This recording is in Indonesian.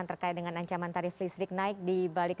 terima kasih mbak